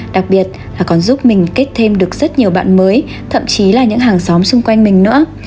đặc biệt là còn giúp mình kết thêm được rất nhiều bạn mới thậm chí là những hàng xóm xung quanh mình nữa